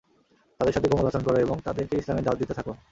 তাদের সাথে কোমল আচরণ কর এবং তাদেরকে ইসলামের দাওয়াত দিতে থাক।